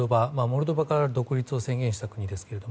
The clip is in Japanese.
モルドバから独立を宣言した国ですが。